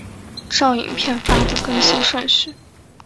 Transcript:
照影片发布更新顺序